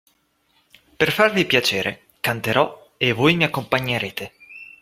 Per farvi piacere, canterò e voi mi accompagnerete.